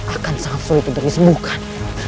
akan sangat sulit untuk disembuhkan